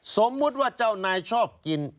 สมมุติว่าเจ้านายชอบกิน